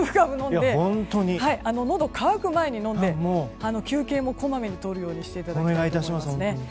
のどが渇く前に飲んで休憩もこまめにとるようにしていただきたいと思います。